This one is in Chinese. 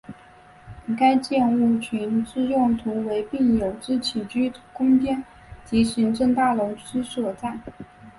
该建物群之用途为病友之起居空间及行政大楼之所在。